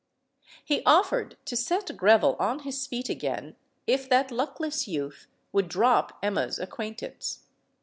He offered to set Greville on his feet again if that luckless youth would drop Emma's acquaintance.